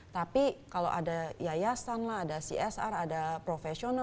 tapi kalau ada yayasan lah ada csr ada profesional